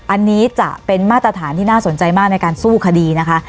อันนี้จะเป็นมาตรฐานที่น่าสนใจมากในการสู้คดีนะคะ